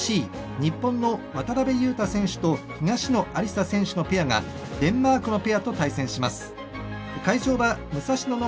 日本の渡辺勇大選手と東野有紗選手のペアがデンマークのペアを対戦します。